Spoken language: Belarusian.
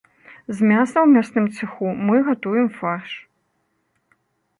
З мяса ў мясным цэху мы гатуем фарш.